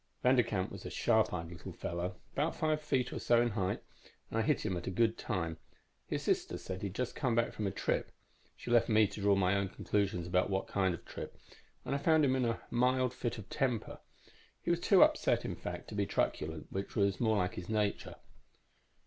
"Vanderkamp was a sharp eyed little fellow, about five feet or so in height, and I hit him at a good time. His sister said he had just come back from a trip she left me to draw my own conclusions about what kind of trip and I found him in a mild fit of temper. He was too upset, in fact, to be truculent, which was more like his nature.